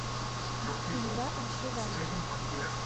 Il va à cheval.